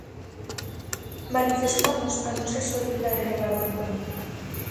Manifestamos a nosa solidariedade entón.